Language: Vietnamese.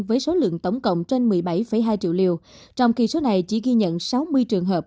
với số lượng tổng cộng trên một mươi bảy hai triệu liều trong khi số này chỉ ghi nhận sáu mươi trường hợp